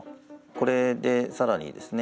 これで更にですね